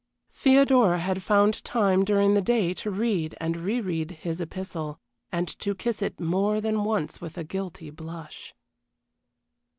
Theodora had found time during the day to read and reread his epistle, and to kiss it more than once with a guilty blush.